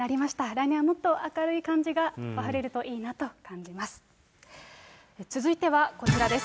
来年はもっと明るい漢字が選ばれるといいなと感じます。